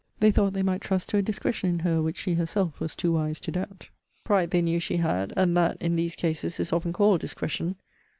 They thought they might trust to a discretion in her which she herself was too wise to doubt. Pride they knew she had; and that, in these cases, is often called discretion.